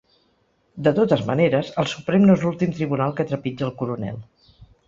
De totes maneres, el Suprem no és l’últim tribunal que trepitja el coronel.